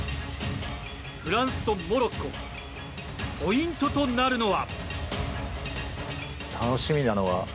フランスとモロッコポイントとなるのは？